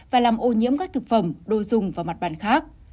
và làm ô nhiễm các thực phẩm đồ dùng và mặt bàn khác